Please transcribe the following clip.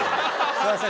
すいません。